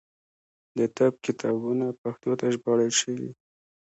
د طب کتابونه پښتو ته ژباړل شوي.